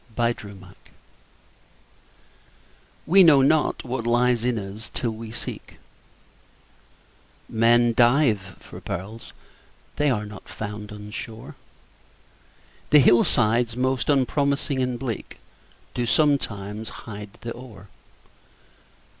HIDDEN GEMS We know not what lies in us, till we seek; Men dive for pearls—they are not found on shore, The hillsides most unpromising and bleak Do sometimes hide the ore.